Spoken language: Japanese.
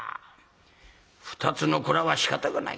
２つの蔵はしかたがない。